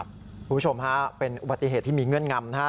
ผู้ชมเป็นปฏิเหตุที่มีเงื่อนงำ